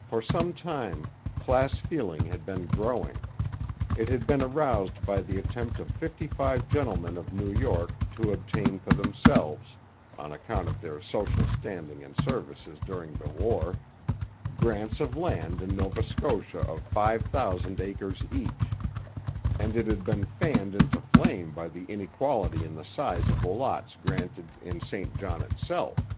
For some time class feeling had been growing; it had been aroused by the attempt of fifty five gentlemen of New York to obtain for themselves, on account of their social standing and services during the war, grants of land in Nova Scotia of five thousand acres each; and it had been fanned into flame by the inequality in the size of the lots granted in St John itself.